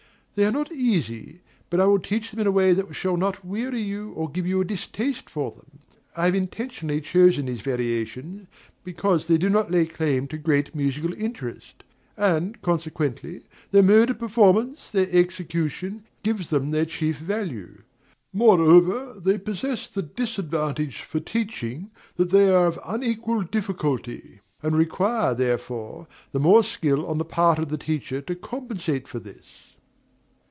They are not easy; but I will teach them in a way that shall not weary you or give you a distaste for them. I have intentionally chosen these variations, because they do not lay claim to great musical interest; and, consequently, their mode of performance, their execution, gives them their chief value. Moreover, they possess the disadvantage for teaching that they are of unequal difficulty, and require, therefore, the more skill on the part of the teacher to compensate for this.